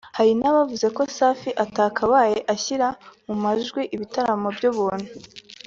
Hari n’abavuze ko Safi atakabaye ashyira mu majwi ibitaramo by’ubuntu